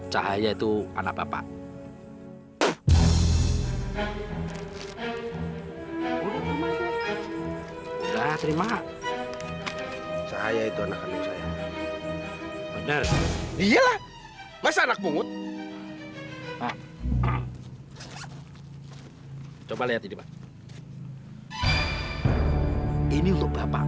saya harus berbohong